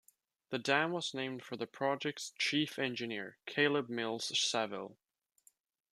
The dam was named for the project's chief engineer, Caleb Mills Saville.